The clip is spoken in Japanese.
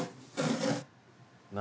何？